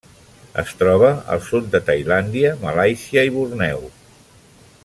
Es troba al sud de Tailàndia, Malàisia i Borneo.